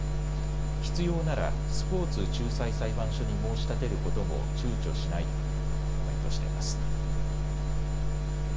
必要ならスポーツ仲裁裁判所に申し立てることもちゅうちょしないとコメントしています。